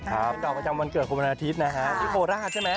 เป็นดอกประจำวันเกิดคุณวันอาทิตย์นะฮะที่โคราชใช่ไหม